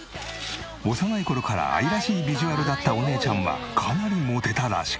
幼い頃から愛らしいビジュアルだったお姉ちゃんはかなりモテたらしく。